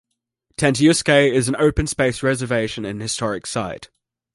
Tantiusques is an open-space reservation and historic site.